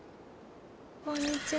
こんにちは。